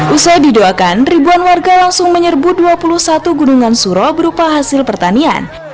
usai didoakan ribuan warga langsung menyerbu dua puluh satu gunungan suro berupa hasil pertanian